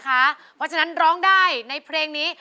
เพราะฉะนั้นร้องได้ในเพลงนี้